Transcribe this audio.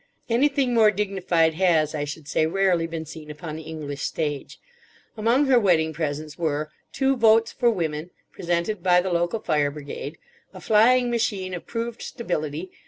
Anything more dignified has, I should say, rarely been seen upon the English stage. Among her wedding presents were: Two Votes for Women, presented by the local Fire Brigade; a Flying Machine of "proved stability.